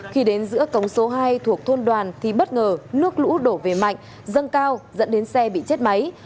khi đến giữa cống số hai thuộc thôn đoàn thì bất ngờ nước lũ đổ về mạnh dâng cao dẫn đến xe bị chết máy